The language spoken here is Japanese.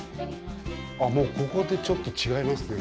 もう、ここでちょっと違いますよね。